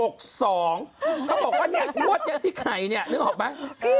เขาบอกว่านี่อ้วดอย่างที่ไข่นี่นึกออกไหม